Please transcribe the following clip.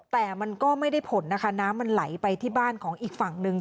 แต่มันก็ไม่ได้ผลนะคะน้ำมันไหลไปที่บ้านของอีกฝั่งหนึ่ง